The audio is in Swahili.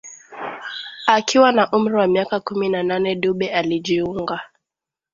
Akiwa na umri wa miaka kumi na nane Dube alijiunga